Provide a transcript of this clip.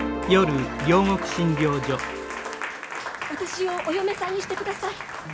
私をお嫁さんにしてください。